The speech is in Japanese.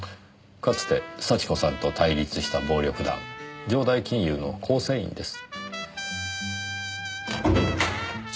かつて幸子さんと対立した暴力団城代金融の構成員です。